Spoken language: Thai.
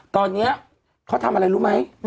ตอนนี้เขาทำอะไรรู้ไหม